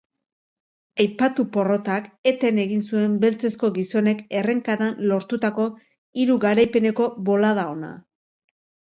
Aipatu porrotak eten egin zuen beltzezko gizonek errenkadan lortutako hiru garaipeneko bolada ona.